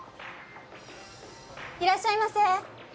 いらっしゃいませ。